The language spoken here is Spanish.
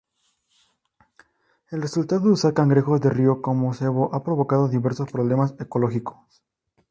El resultado de usar cangrejos de río como cebo ha provocado diversos problemas ecológicos.